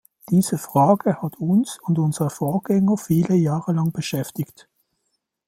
Diese Frage hat uns und unsere Vorgänger viele Jahre lang beschäftigt.